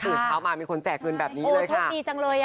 ตื่นเช้ามามีคนแจกเงินแบบนี้เลยค่ะ